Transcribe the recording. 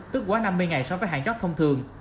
tức quá năm mươi ngày so với hạn chất thông thường